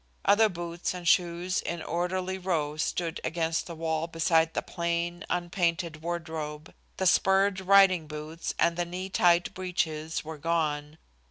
Other boots and shoes in orderly row stood against the wall beside the plain, unpainted wardrobe. The spurred riding boots and the knee tight breeches were gone.